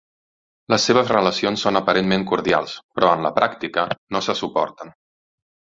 Les seves relacions són aparentment cordials però, en la pràctica, no se suporten.